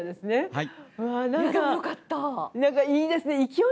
はい。